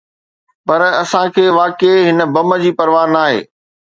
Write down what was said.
پر اسان کي واقعي هن بم جي پرواهه ناهي.